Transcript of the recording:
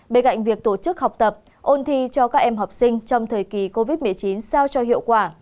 bên cạnh việc tổ chức học tập ôn thi cho các em học sinh trong thời kỳ covid một mươi chín sao cho hiệu quả